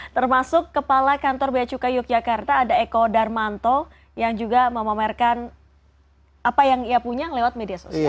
termasuk kepala kantor beacuka yogyakarta ada eko darmanto yang juga memamerkan apa yang ia punya lewat media sosial